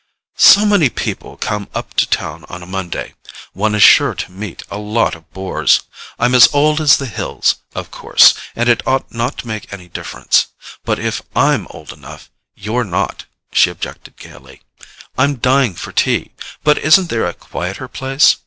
"So many people come up to town on a Monday—one is sure to meet a lot of bores. I'm as old as the hills, of course, and it ought not to make any difference; but if I'M old enough, you're not," she objected gaily. "I'm dying for tea—but isn't there a quieter place?"